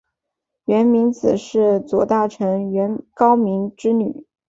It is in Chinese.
源明子是左大臣源高明之女。